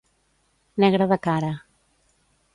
Negre de cara.